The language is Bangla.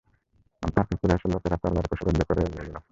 তারপর কুরাইশের লোকেরা তরবারী কোষাবদ্ধ করে এগিয়ে এল।